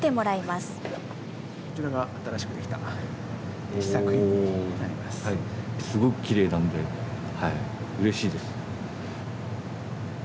すごくきれいなのでうれしいです。